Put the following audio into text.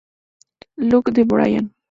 Lock" de Bryan.